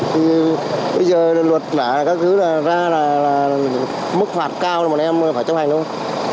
thì bây giờ luật là các thứ ra là mức phạt cao là bọn em phải chấp hành không